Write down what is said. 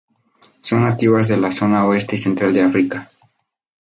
Son nativas de la zona oeste y central de África.